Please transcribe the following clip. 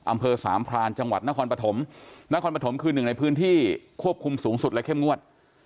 อำเภอสามพรานจังหวัดนครปฐมนครปฐมคือหนึ่งในพื้นที่ควบคุมสูงสุดและเข้มงวด